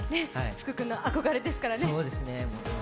福くんの憧れですからね。